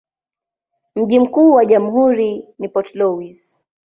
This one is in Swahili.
Mji mkuu wa jamhuri ni Port Louis.